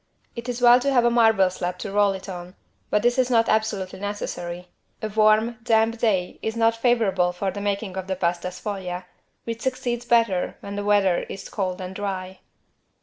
It is well to have a marble slab to roll it on but this is not absolutely necessary. A warm, damp day is not favorable for the making of the =Pasta sfoglia=, which succeeds better when the weather is cold and dry.